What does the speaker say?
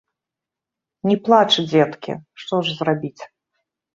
Не плач, дзеткі, што ж зрабіць.